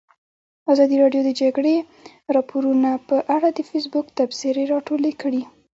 ازادي راډیو د د جګړې راپورونه په اړه د فیسبوک تبصرې راټولې کړي.